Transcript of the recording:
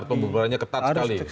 pembebarannya ketat sekali